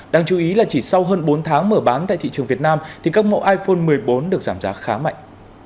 đáng chú ý là chỉ sau hơn bốn tháng mở bán tại thị trường việt nam thì các mẫu iphone một mươi bốn được giảm giá khá mạnh